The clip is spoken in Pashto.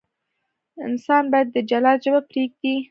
انسان باید د جلاد ژبه پرېږدي.